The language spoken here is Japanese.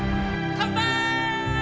乾杯！